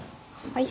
はい。